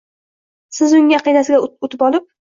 Siz uning aqidasiga o‘tib olib